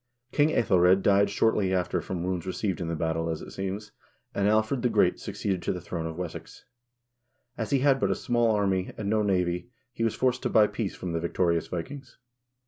King yEthelred died shortly after from wounds received in the battle, as it seems, and Alfred the Great succeeded to the throne of Wessex. As he had but a small army, and no navy, he was forced to buy peace from the victorious Vikings.